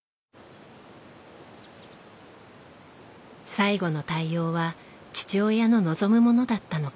最期の対応は父親の望むものだったのか。